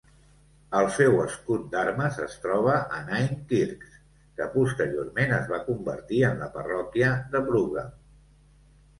El seu escut d"armes es troba a Ninekirks, que posteriorment es va convertir en la parròquia de Brougham.